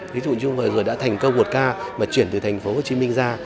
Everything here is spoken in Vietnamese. ví dụ như vừa rồi đã thành công một ca mà chuyển từ thành phố hồ chí minh ra